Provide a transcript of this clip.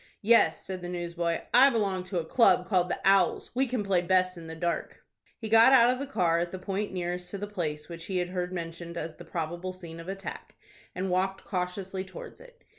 "Yes," said the newsboy. "I belong to a club called 'The Owls.' We can play best in the dark." He got out of the car at the point nearest to the place which he had heard mentioned as the probable scene of attack, and walked cautiously towards it.